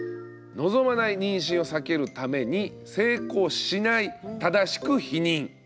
「望まない妊娠を避けるために性交しない正しく避妊」。